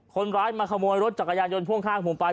คนร้ายมาขโมยรถจักรยานยนต์พ่วงข้างผมไป